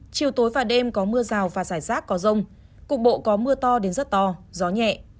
chiều tối và đêm có mưa rào và rải rác có rông cục bộ có mưa to đến rất to gió nhẹ